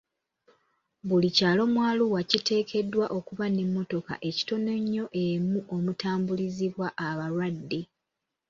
Buli kyalo mu Arua kiteekeddwa okuba n'emmotoka ekitono ennyo emu omutambulizibwa abalwadde.